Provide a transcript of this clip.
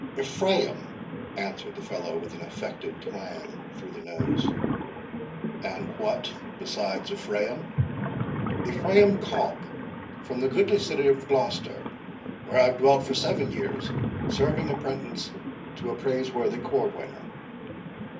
"Ephraim," answered the fellow, with an affected twang through the nose. "And what besides Ephraim?" "Ephraim Cobb, from the goodly city of Glocester, where I have dwelt for seven years, serving apprentice to a praiseworthy cordwainer."